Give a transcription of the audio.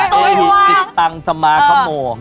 จิปตังร์สมาขมง